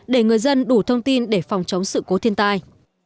để người dân đủ thông tin để phòng chống sự cố thiên tai